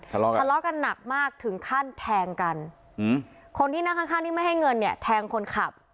ทะเลาะกันทะเลาะกันหนักมากถึงขั้นแทงกันอืมคนที่นั่งข้างข้างที่ไม่ให้เงินเนี่ยแทงคนขับ